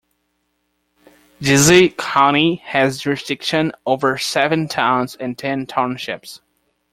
Jixi County has jurisdiction over seven towns and ten townships.